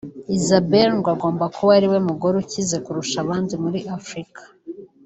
Isabel ngo agomba kuba ariwe mugore ukize kurusha abandi muri Afurika